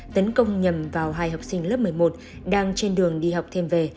tấn công nhầm vào hai học sinh lớp một mươi một đang trên đường đi học thêm về